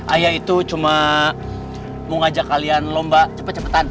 ayah itu cuma mau ngajak kalian lomba cepet cepetan